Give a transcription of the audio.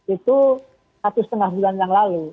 itu satu setengah bulan yang lalu